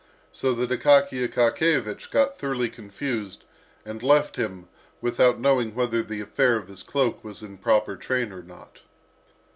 So that Akaky Akakiyevich got thoroughly confused, and left him, without knowing whether the affair of his cloak was in proper train or not.